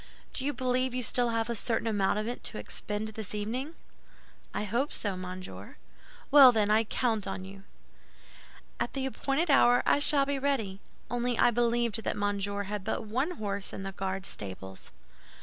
"Do you believe you have still a certain amount of it to expend this evening?" "I hope so, monsieur." "Well, then, I count on you." "At the appointed hour I shall be ready; only I believed that Monsieur had but one horse in the Guard stables."